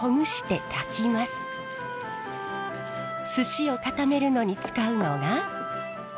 すしを固めるのに使うのが。